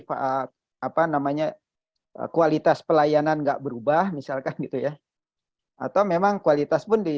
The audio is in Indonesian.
pak apa namanya kualitas pelayanan enggak berubah misalkan gitu ya atau memang kualitas pun di